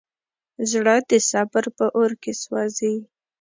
زړه د صبر په اور کې سوځي.